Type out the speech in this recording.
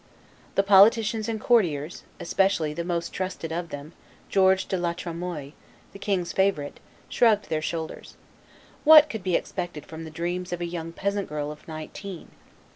The politicians and courtiers, especially the most trusted of them, George de la Tremoille, the king's favorite, shrugged their shoulders. What could be expected from the dreams of a young peasant girl of nineteen?